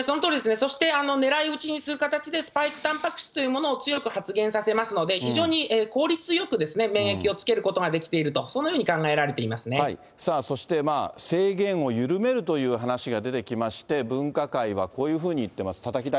そして狙い撃ちにする形で、スパイクたんぱく質というものを強く発現させますので、非常に効率よく免疫をつけることができていると、そして制限を緩めるという話が出てきまして、分科会はこういうふうに言っています。